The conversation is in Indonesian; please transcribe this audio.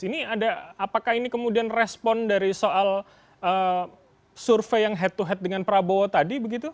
ini apakah ini kemudian respon dari soal survei yang head to head dengan prabowo tadi begitu